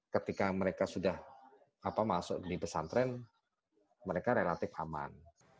ketika mereka sudah masuk di pesantren mereka relatif aman